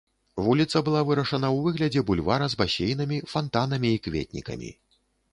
Вуліца была вырашана ў выглядзе бульвара з басейнамі, фантанамі і кветнікамі.